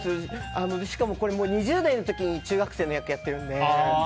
しかも、これ２０代の時に中学生の役やってるんで。